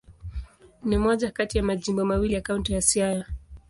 Ni moja kati ya majimbo mawili ya Kaunti ya Siaya.